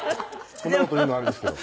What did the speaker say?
こんな事言うのあれですけど。